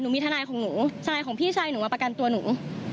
มีทนายของหนูทนายของพี่ชายหนูมาประกันตัวหนู